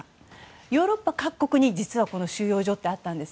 ヨーロッパ各国に実は収容所ってあったんです。